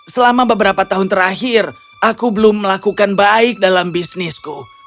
selama beberapa tahun terakhir aku belum melakukan baik dalam bisnisku